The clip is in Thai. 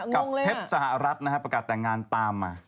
กับเพชรสหรัฐนะครับประกาศแต่งงานตามมา